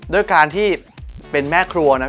ด้วยการที่เป็นแม่ครัว